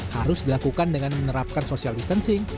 harus dilakukan dengan menerapkan social distancing